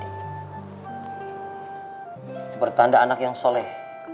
itu bertanda anak yang soleh